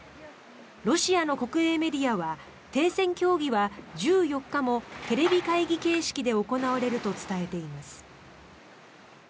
ロシアの国営メディアは停戦協議は１４日もテレビ会議形式で行われると伝えています。